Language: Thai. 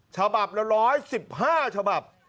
ฉบับละ๑๑๕ฉบับ